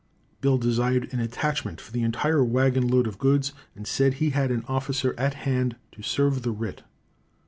Bill desired an attachment for the entire wagon load of goods and said he had an officer at hand to serve the writ.